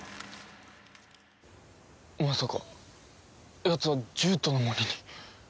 まさかやつは獣人の森に？